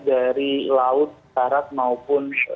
dari laut darat maupun